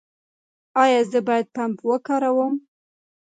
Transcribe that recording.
ایا زه باید پمپ وکاروم؟